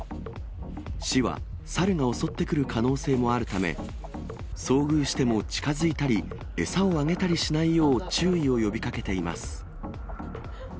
市は、猿が襲ってくる可能性もあるため、遭遇しても近づいたり、餌をあげたりしないよう注意を呼びかけています。